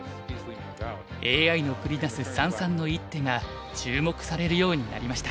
ＡＩの繰り出す三々の一手が注目されるようになりました。